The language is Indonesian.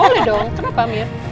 boleh dong kenapa mir